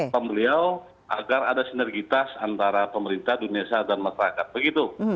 pembeliau agar ada sinergitas antara pemerintah dunia dan masyarakat begitu